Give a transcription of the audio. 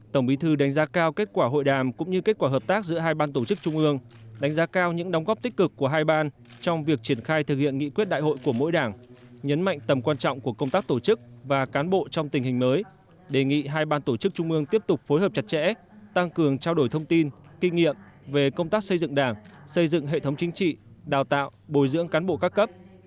tổng bí thư đánh giá cao kết quả hội đàm cũng như kết quả hợp tác giữa hai ban tổ chức trung ương đánh giá cao những đóng góp tích cực của hai ban trong việc triển khai thực hiện nghị quyết đại hội của mỗi đảng nhấn mạnh tầm quan trọng của công tác tổ chức và cán bộ trong tình hình mới đề nghị hai ban tổ chức trung ương tiếp tục phối hợp chặt chẽ tăng cường trao đổi thông tin kinh nghiệm về công tác xây dựng đảng xây dựng hệ thống chính trị đào tạo bồi dưỡng cán bộ các cấp